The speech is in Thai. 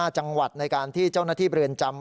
๕จังหวัดในการที่เจ้าหน้าที่เรือนจำ